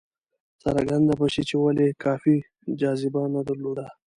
څرګنده به شي چې ولې کافي جاذبه نه درلوده.